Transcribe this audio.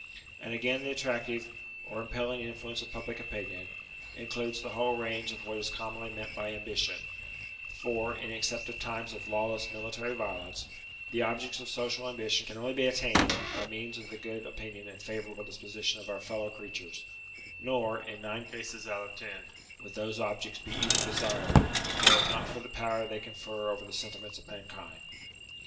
And again the attractive, or impelling influence of public opinion, includes the whole range of what is com monly meant by ambition : for, except in times of lawless military violence, the objects of social ambition can only be attained by means of the good opinion and favourable disposition of our fellow creatures ; nor, in nine cases out of ten, would those objects be even desired, were it not for the power they confer over the sentiments of mankind.